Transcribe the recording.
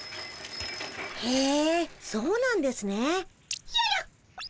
へえそうなんですね。